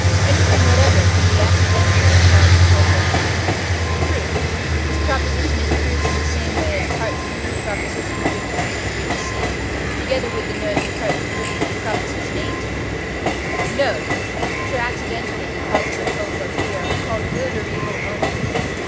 Anything whatever can be, accidentally, a cause of hope or fear. Proof. This proposition is proved in the same way as III. xv., which see, together with the note to III. xviii. Note. Things which are accidentally the causes of hope or fear are called good or evil omens.